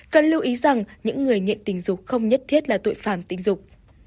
cần lưu ý rằng những người nghiện tình dục không nhất thiết là tội phạm tình dục